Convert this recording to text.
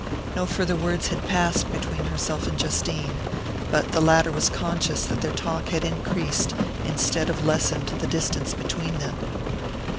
No farther words had passed between herself and Justine but the latter was conscious that their talk had increased instead of lessened the distance between them.